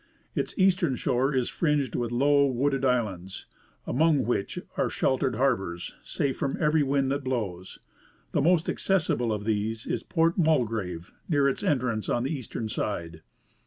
Its eastern shore is fringed with low, wooded islands, among which are sheltered harbors, safe from every wind that blows. The most accessible of these is Port Mulgrave, near its entrance on the eastern side.